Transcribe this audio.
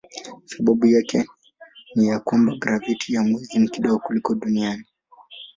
Sababu yake ni ya kwamba graviti ya mwezi ni ndogo kuliko duniani.